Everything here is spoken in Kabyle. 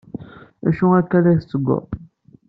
D acu akka ay la tettgeḍ?